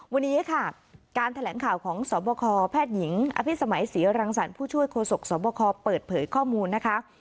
วันนี้ค่ะการแถลงข่าวของสบคแพทย์หญิงอภิษมัยศรีรังสรรค์ผู้ช่วยโฆษกสวบคเปิดเผยข้อมูลนะคะ